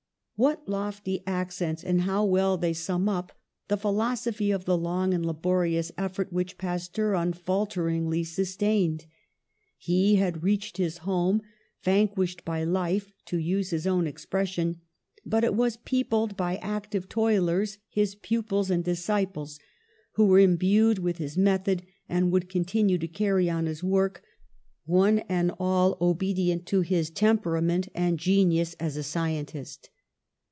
What lofty accents, and how well they sum up the philosophy of the long and laborious effort which Pasteur unfalteringly sustained! He had reached his home, vanquished by life, to use his own expression, but it was peopled by active toilers, his pupils and disciples, who were imbued with his method and would con tinue to carry on his work, one and all obedient to his temperament and genius as a scientist.